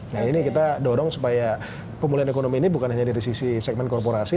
nah ini kita dorong supaya pemulihan ekonomi ini bukan hanya dari sisi segmen korporasi